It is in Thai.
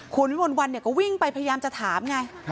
ขุนวนวันก็วิ่งไปพยายามจะถามไง